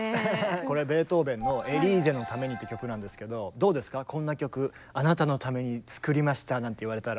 これベートーベンの「エリーゼのために」って曲なんですけどどうですかこんな曲「あなたのために作りました」なんて言われたら？